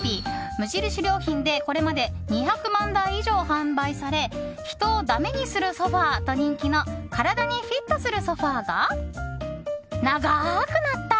無印良品でこれまで２００万台以上販売され人をダメにするソファと人気の体にフィットするソファが長くなった！